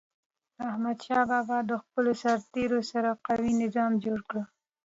احمدشاه بابا د خپلو سرتېرو سره قوي نظام جوړ کړ.